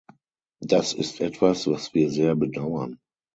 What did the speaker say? Das ist etwas, was wir sehr bedauern.